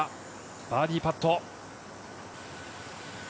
バーディーパット。